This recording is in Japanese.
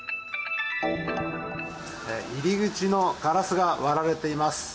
入り口のガラスが割られています。